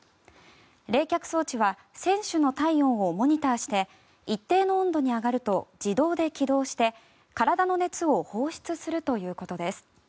冷却装置は選手の体温をモニターして一定の温度に上がると自動で起動して、体の熱を放出するということです。